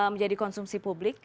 menjadi konsumsi publik